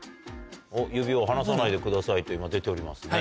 指を離さないでくださいと今出ておりますね。